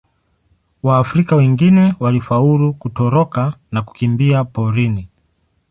Waafrika wengine walifaulu kutoroka na kukimbia porini.